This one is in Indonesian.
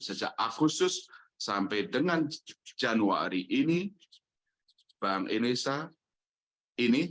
sejak agustus sampai dengan januari ini bank indonesia ini